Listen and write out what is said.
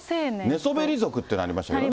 寝そべり族っていうのありましたね。